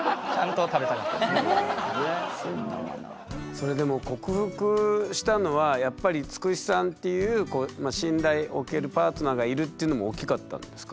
それでも克服したのはやっぱりつくしさんっていう信頼おけるパートナーがいるっていうのも大きかったんですか？